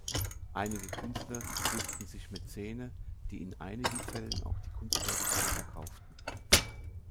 Einige Künstler suchten sich Mäzene, die in einigen Fällen auch die Kunstwerke später kauften.